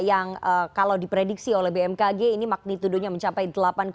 yang kalau diprediksi oleh bmkg ini magnitudonya mencapai delapan tiga